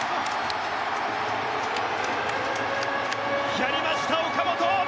やりました、岡本！